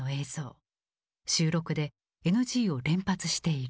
収録でＮＧを連発している。